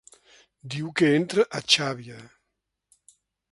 Diu que entra a Xàbia.